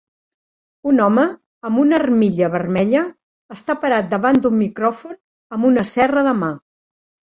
Un home amb una armilla vermella està parat davant d'un micròfon amb una serra de mà.